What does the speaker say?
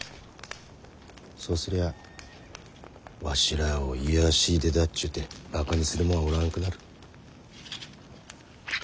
そうすりゃあわしらあを卑しい出だっちゅてバカにするもんはおらんくなる。